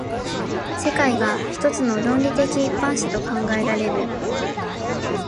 世界が一つの論理的一般者と考えられる。